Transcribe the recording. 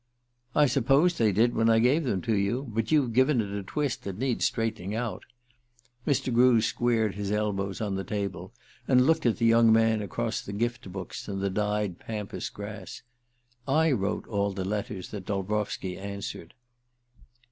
"I supposed they did when I gave them to you; but you've given it a twist that needs straightening out." Mr. Grew squared his elbows on the table, and looked at the young man across the gift books and the dyed pampas grass. "I wrote all the letters that Dolbrowski answered."